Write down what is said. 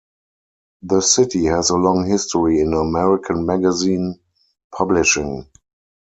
The city has a long history in American magazine publishing.